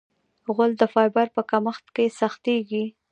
غول د فایبر په کمښت سختېږي.